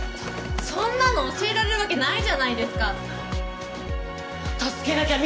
そんなの教えられるわけないじゃないですか助けなきゃ！